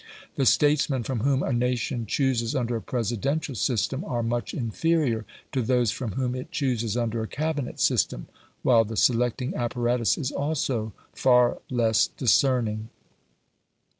The statesmen from whom a nation chooses under a Presidential system are much inferior to those from whom it chooses under a Cabinet system, while the selecting apparatus is also far less discerning.